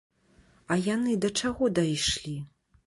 А яны да чаго дайшлі?